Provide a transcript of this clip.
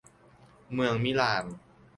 เมืองมิลาน